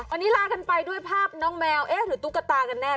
วันนี้ลากันไปด้วยภาพน้องแมวเอ๊ะหรือตุ๊กตากันแน่